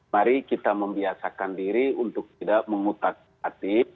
mari kita membiasakan diri untuk tidak mengutak atik